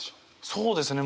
そうですね